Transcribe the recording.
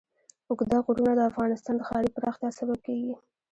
اوږده غرونه د افغانستان د ښاري پراختیا سبب کېږي.